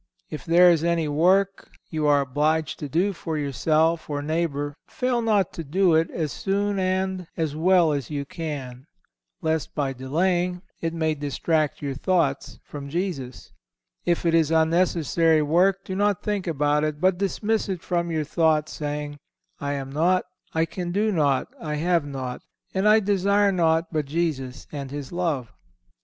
If there is any work you are obliged to do for yourself or neighbour fail not to do it as soon and as well as you can, lest by delay it may distract your thoughts from Jesus. If it is unnecessary work do not think about it, but dismiss it from your thoughts saying, "I am naught, I can do naught, I have naught, and I desire naught but Jesus and His love."